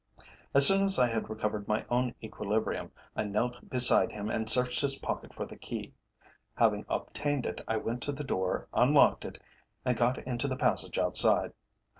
As soon as I had recovered my own equilibrium, I knelt beside him and searched his pocket for the key. Having obtained it, I went to the door, unlocked it, and got into the passage outside.